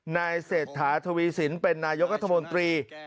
เศรษฐาทวีสินเป็นนายกรัฐมนตรี